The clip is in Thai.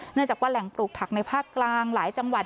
เนื่องจากว่าแหล่งปลูกผักในภาคกลางหลายจังหวัด